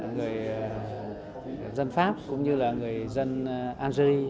người dân pháp cũng như là người dân algerie